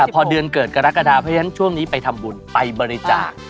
พอเดือนเกิดกรกฎาเพราะฉะนั้นช่วงนี้ไปทำบุญไปบริจาค